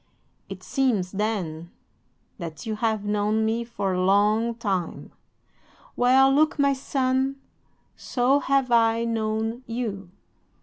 "'"It seems, then, that you have known me for a long time. Well, look, my son, so have I known you."